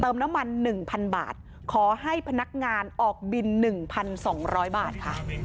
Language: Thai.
เติมน้ำมันหนึ่งพันบาทขอให้พนักงานออกบินหนึ่งพันสองร้อยบาทค่ะ